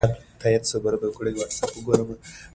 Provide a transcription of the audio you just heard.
ادبیات د ټولنې انعکاس دی.